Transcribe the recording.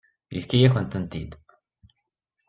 Yefka-yakent-tent-id.